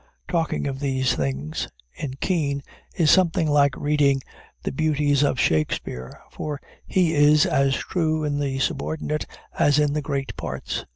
Talking of these things in Kean is something like reading the Beauties of Shakspeare; for he is as true in the subordinate as in the great parts.